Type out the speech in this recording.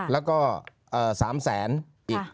แล้วก็๓แสนอีก